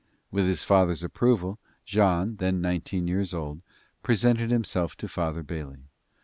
With his father's approval, Jean, then 19 years old, presented himself to Father Bailey.